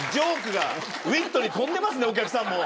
ウイットに富んでますねお客さんも。